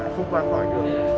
không qua khỏi được